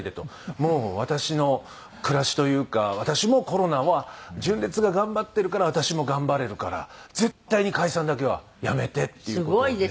「もう私の暮らしというか私もコロナは純烈が頑張ってるから私も頑張れるから絶対に解散だけはやめて！」っていう事をね。